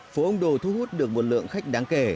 phố ông đồ thu hút được một lượng khách đáng kể